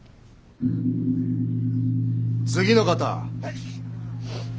次の方！